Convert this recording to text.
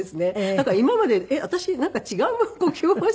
だから今まで私なんか違う呼吸をしていたのかなと。